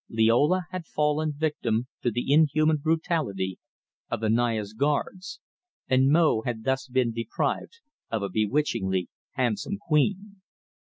Liola had fallen victim to the inhuman brutality of the Naya's guards, and Mo had thus been deprived of a bewitchingly handsome queen.